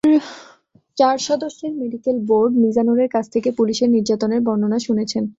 চার সদস্যের medical board মিজানুরের কাছ থেকে পুলিশের নির্যাতনের বর্ণনা শুনেছেন।